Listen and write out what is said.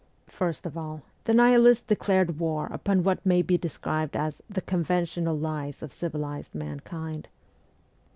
First of all, the Nihilist declared war upon what may be described as ' the conventional lies of civilized mankind.'